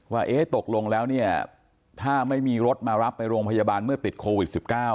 ว่าตกลงแล้วเนี่ยถ้าไม่มีรถมารับไปโรงพยาบาลเมื่อติดโควิด๑๙